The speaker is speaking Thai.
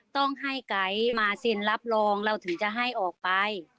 ต้องให้ไก๊มาเซ็นรับรองเราถึงจะให้ออกไป